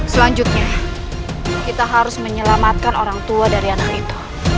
selanjutnya kita harus menyelamatkan orang tua dari anak itu